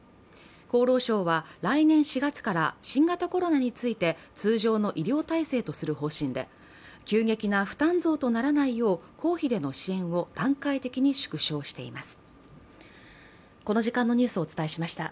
厚労省は来年４月から新型コロナについて通常の医療体制とする方針で急激な負担増とならないよう公費での支援を段階的に縮小しています。